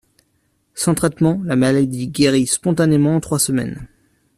Sans traitement, la maladie guérit spontanément en trois semaines.